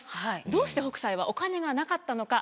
どうして北斎はお金がなかったのか。